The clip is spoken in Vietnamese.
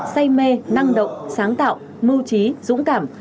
say mê năng động sáng tạo mưu trí dũng cảm